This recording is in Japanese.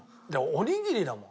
おにぎりだもん。